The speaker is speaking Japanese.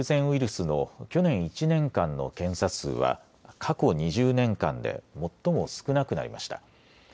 ウイルスの去年１年間の検査数は過去２０年間で最も少なくなりました。